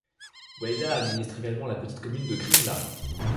Weida administre également la petite commune de Crimla.